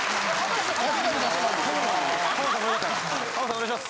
お願いします。